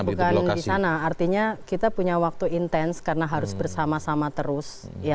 bukan di sana artinya kita punya waktu intens karena harus bersama sama terus